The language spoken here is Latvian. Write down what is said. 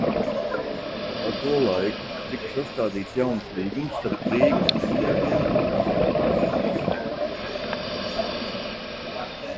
Pa to laiku tika sastādīts jauns līgums starp Rīgas namniekiem un rāti.